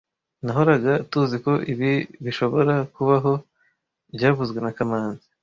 Nahoraga tuziko ibi bishobora kubaho byavuzwe na kamanzi